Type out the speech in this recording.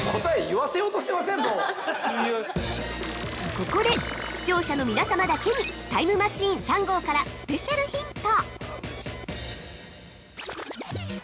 ◆ここで視聴者の皆様だけにタイムマシーン３号からスペシャルヒント！